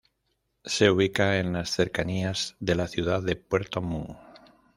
Se ubica en las cercanías de la ciudad de Puerto Montt.